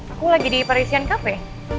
aku lagi di parisian cafe